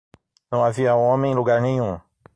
Não havia homem em lugar nenhum!